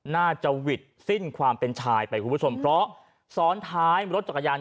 น่าจะหวิดสิ้นความเป็นชายไปคุณผู้ชมเพราะซ้อนท้ายรถจักรยาน